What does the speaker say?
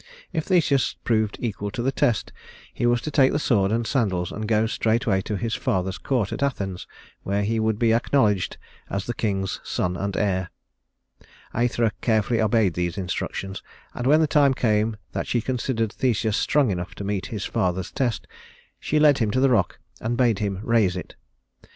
If Theseus proved equal to the test, he was to take the sword and sandals and go straightway to his father's court at Athens, where he would be acknowledged as the king's son and heir. Æthra carefully obeyed these instructions, and when the time came that she considered Theseus strong enough to meet his father's test, she led him to the rock and bade him raise it.